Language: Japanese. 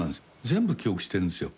全部記憶してるんですよ。